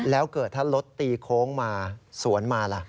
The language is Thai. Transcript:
แล้วเกิดถ้ารถตีโค้งมาสวนมาล่ะ